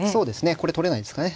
これ取れないですかね。